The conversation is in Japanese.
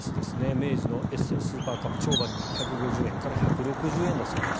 明治のエッセルスーパーカップ超バニラ１５０円から１６０円だそうです。